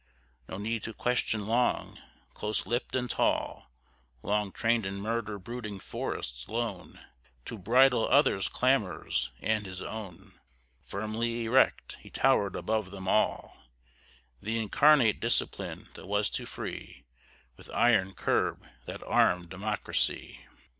No need to question long; close lipped and tall, Long trained in murder brooding forests lone To bridle others' clamors and his own, Firmly erect, he towered above them all, The incarnate discipline that was to free With iron curb that armed democracy.